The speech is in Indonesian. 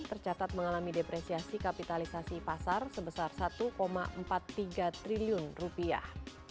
tercatat mengalami depresiasi kapitalisasi pasar sebesar satu empat puluh tiga triliun rupiah